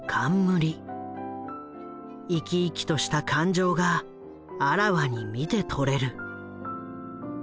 生き生きとした感情があらわに見て取れる。